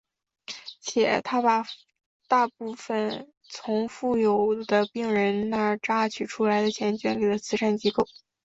且他把大部分从富有的病人那榨取出的钱捐给了慈善机构。